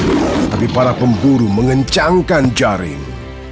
tapi para pemburu mengencangkan jaring